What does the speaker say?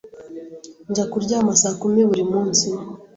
Njya kuryama saa kumi buri munsi.